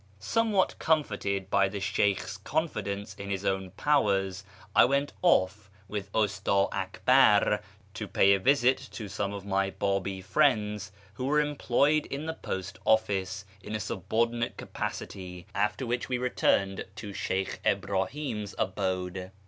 Somewhat comforted by the Sheykh's confidence in his own powers, I went off with Usta Akbar to pay a visit to some of my Babi friends who were employed in the post office in a subordinate capacity, after which we returned to Sheykh Ibrahim's abode.